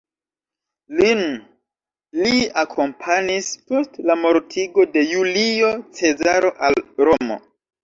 Lin li akompanis, post la mortigo de Julio Cezaro, al Romo.